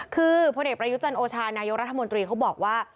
คือพลเอกประยุจันโอชานายกรัฐมนตรีเขาบอกว่า